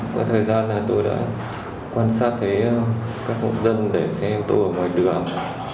có thời gian tôi đã quan sát thấy các hộ dân để xe ô tô ở ngoài đường